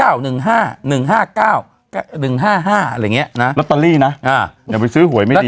๙๑๕๑๕๙๑๕๕อะไรอย่างเงี้ยนะลอตตอรี่นะอย่าไปซื้อหวยไม่ดีนะ